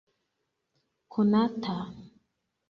konata